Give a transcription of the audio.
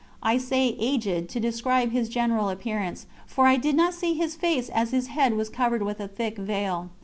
I say aged, to describe his general appearance, for I did not see his face as his head was covered with a thick veil.